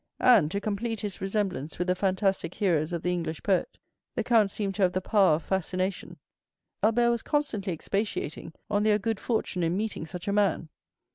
And, to complete his resemblance with the fantastic heroes of the English poet, the count seemed to have the power of fascination. Albert was constantly expatiating on their good fortune in meeting such a man.